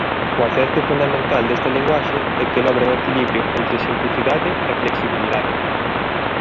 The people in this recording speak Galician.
O acerto fundamental desta linguaxe é que logra un equilibrio entre simplicidade e flexibilidade.